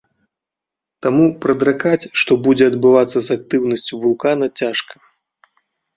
Таму прадракаць, што будзе адбывацца з актыўнасцю вулкана, цяжка.